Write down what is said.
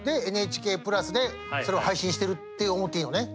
で「ＮＨＫプラス」でそれを配信してるって思っていいのね？